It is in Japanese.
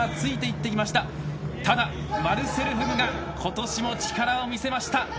マルセル・フグが今年も力を見せました。